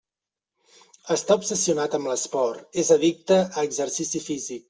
Està obsessionat amb l'esport: és addicte a exercici físic.